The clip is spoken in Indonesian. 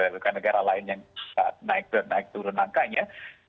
bukan negara lain yang naik turun naik angkanya